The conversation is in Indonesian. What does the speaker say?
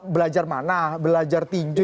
belajar mana belajar tinju